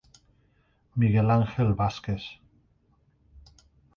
Miguel Angel Vásquez.